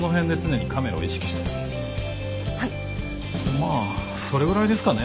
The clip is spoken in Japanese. まあそれぐらいですかね。